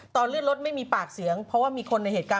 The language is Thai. ตอนเลื่อนรถไม่มีปากเสียงเพราะว่ามีคนในเหตุการณ์